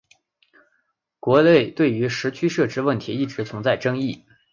国内对于时区设置问题一直存在争议。